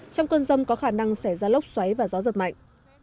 trong cơn rông có khả năng xảy ra lốc xoáy và gió giật mạnh